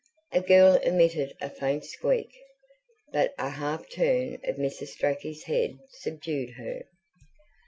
A girl emitted a faint squeak. But a half turn of Mrs. Strachey's head subdued her.